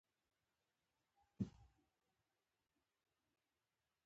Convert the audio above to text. هغوی په نازک سفر کې پر بل باندې ژمن شول.